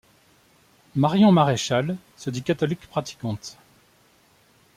Marion Maréchal se dit catholique pratiquante.